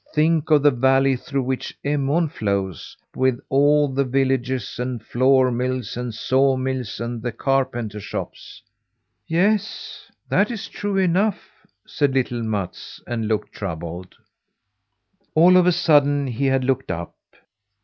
Think of the valley through which Emån flows, with all the villages and flour mills and sawmills, and the carpenter shops!" "Yes, that is true enough," said little Mats, and looked troubled. All of a sudden he had looked up.